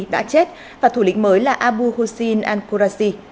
đã chết và thủ lĩnh mới là abu hussein al qurasi